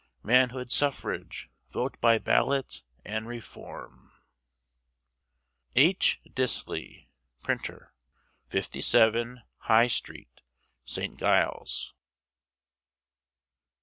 Manhood Suffrage! Vote by Ballot! and Reform!" H. Disley, Printer, 57, High Street, St. Giles.